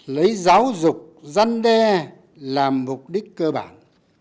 lấy giáo dục dân đe làm mục đích cơ bản